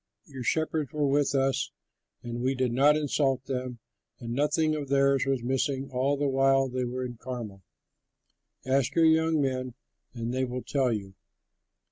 Your shepherds were with us, and we did not insult them, and nothing of theirs was missing all the while they were in Carmel. Ask your young men and they will tell you.